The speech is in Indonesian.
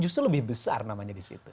justru lebih besar namanya di situ